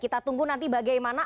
kita tunggu nanti bagaimana